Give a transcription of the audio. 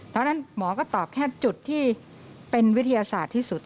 เพราะฉะนั้นหมอก็ตอบแค่จุดที่เป็นวิทยาศาสตร์ที่สุด